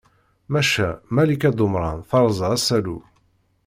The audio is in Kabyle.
Maca Malika Dumran terẓa asalu.